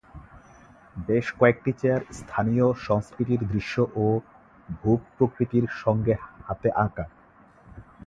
বেশ কয়েকটি চেয়ার স্থানীয় সংস্কৃতির দৃশ্য ও ভূ-প্রকৃতির সঙ্গে হাতে আঁকা।